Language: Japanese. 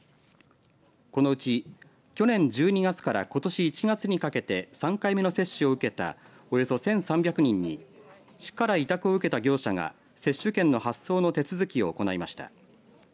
このうち去年１２月からことし１月にかけて３回目の接種を受けたおよそ１３００人に市から委託を受けた業者が接種券の発送の手続きを行いました。